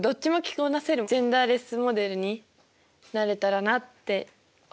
こなせるジェンダーレスモデルになれたらなって思っています。